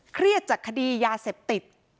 เครียดจากคดียาเสพติด